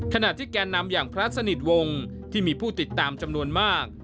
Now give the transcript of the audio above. ขณะที่แกนนำอย่างพระสนิทวงศ์ที่มีผู้ติดตามจำนวนมาก